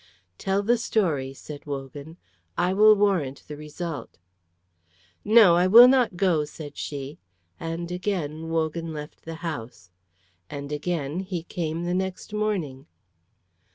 "Tell the story," said Wogan. "I will warrant the result." "No, I will not go," said she; and again Wogan left the house. And again he came the next morning.